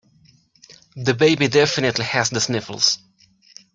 The baby definitely has the sniffles.